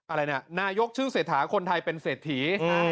อะไรนะนายกชื่อเศรษฐาคนไทยเป็นเศรษฐี